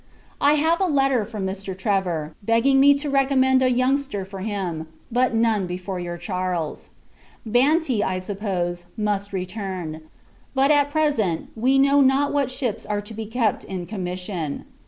I have a letter from Mr. Trevor, begging me to recommend a youngster for him; but, none before your Charles. Banti, I suppose, must return; but, at present, we know not what ships are to be kept in commission.